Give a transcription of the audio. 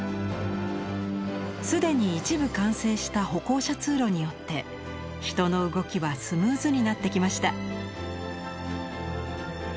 既に一部完成した歩行者通路によって人の動きはスムーズになってきました。